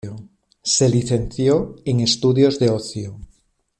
Se licenció en estudios de ocio.